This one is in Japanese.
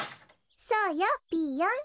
そうよピーヨン。